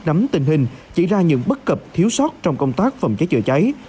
nắm tình hình chỉ ra những bất cập thiếu sót trong công tác phòng cháy chữa cháy